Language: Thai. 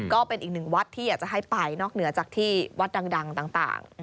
ก็เป็นอีกหนึ่งวัดที่อยากจะให้ไปนอกเหนือจากที่วัดดังต่าง